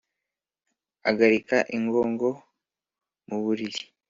agarika ingogo mu buiriri